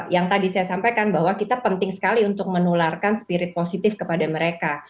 yang tadi saya sampaikan bahwa kita penting sekali untuk menularkan spirit positif kepada mereka